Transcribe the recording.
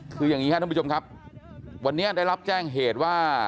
คืออย่างนี้ครับท่านผู้ชมครับวันนี้ได้รับแจ้งเหตุว่า